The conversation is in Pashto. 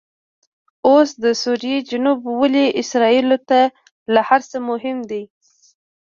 اوس دسوریې جنوب ولې اسرایلو ته له هرڅه مهم دي؟